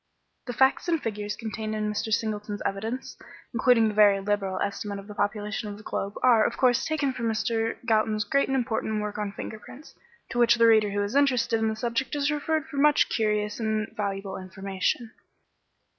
The facts and figures contained in Mr. Singleton's evidence, including the very liberal estimate of the population of the globe, are, of course, taken from Mr. Galton's great and important work on finger prints; to which the reader who is interested in the subject is referred for much curious and valuable information.